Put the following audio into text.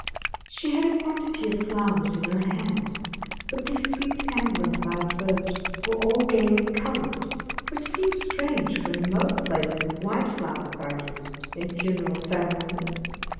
She had a quantity of flowers in her hand; but these sweet emblems, I observed, were all gayly colored, which seemed strange, for in most places white flowers are used in funeral ceremonies.